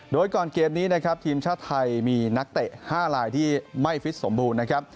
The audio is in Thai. โดยก่อนเกมนี้นะครับทีมชาติไทยมีนักเตะ๕ลายที่ไม่ฟิตสมบูรณ์นะครับ